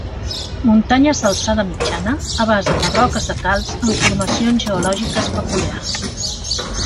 Muntanyes d'alçada mitjana, a base de roques de calç amb formacions geològiques peculiars.